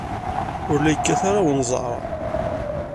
Ur la yekkat ara wenẓar.